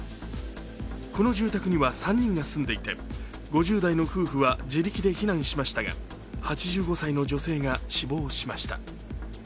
この住宅には３人が住んでいて５０代の夫婦は自力で避難しましたが、８５歳の女性が死亡しました。